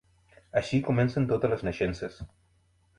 Així comencen totes les naixences.